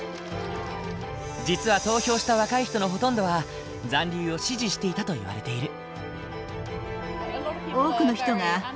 実は投票した若い人のほとんどは残留を支持していたといわれている。